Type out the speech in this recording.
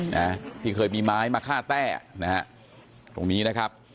นะที่เคยมีไม้มาฆ่าแต้นะฮะตรงนี้นะครับ